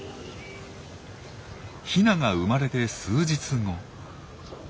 ヒナが生まれて数日後。